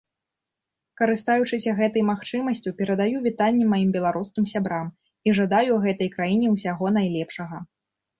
Карыстаючыся гэтай магчымасцю, перадаю вітанні маім беларускім сябрам і жадаю гэтай краіне ўсяго найлепшага.